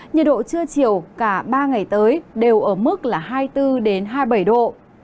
nhiệt độ chưa chiều cả ba ngày tới đều ở mức hai mươi bốn hai mươi bảy độ